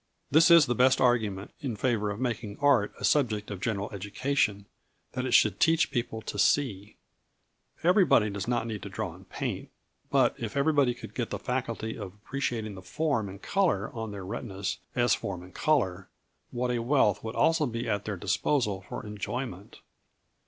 This is the best argument in favour of making art a subject of general education: that it should teach people to see. Everybody does not need to draw and paint, but if everybody could get the faculty of appreciating the form and colour on their retinas as form and colour, what a wealth would always be at their disposal for enjoyment!